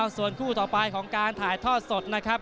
ส่วนคู่ต่อไปของการถ่ายทอดสดนะครับ